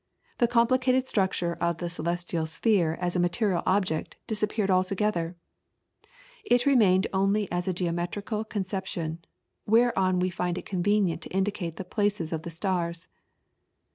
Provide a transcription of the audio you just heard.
The complicated structure of the celestial sphere as a material object disappeared altogether; it remained only as a geometrical conception, whereon we find it convenient to indicate the places of the stars.